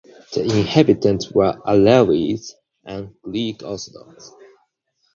The inhabitants were Alawites and Greek Orthodox.